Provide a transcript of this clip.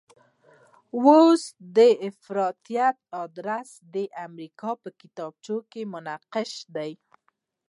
اوس د افراطیت ادرس د امریکا په کتابچه کې منقش دی.